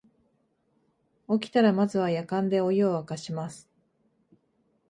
起きたらまずはやかんでお湯をわかします